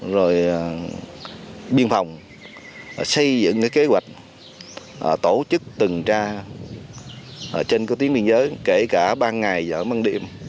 rồi biên phòng xây dựng kế hoạch tổ chức từng tra trên các tiến biên giới kể cả ban ngày và ban điểm